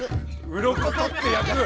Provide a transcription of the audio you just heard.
うろことってやく。